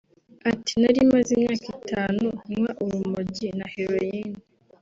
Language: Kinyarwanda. Ati “Nari maze imyaka itanu nywa urumogi na heroine